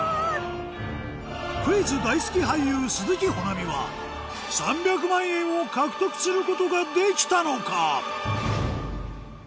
クイズ大好き俳優鈴木保奈美は３００万円を獲得することができたのか？